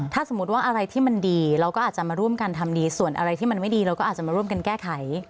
ถ้าสมมุติว่าอะไรที่มันดีเราก็อาจจะมาร่วมกันทำดีส่วนอะไรที่มันไม่ดีเราก็อาจจะมาร่วมกันแก้ไข